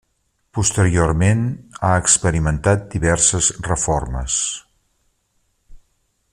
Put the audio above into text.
Posteriorment ha experimentat diverses reformes.